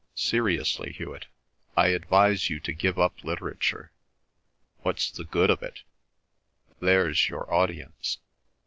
Seriously, Hewet, I advise you to give up literature. What's the good of it? There's your audience."